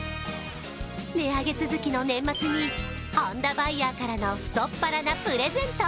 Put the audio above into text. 値上げ続きの年末に本田バイヤーからの太っ腹なプレゼント。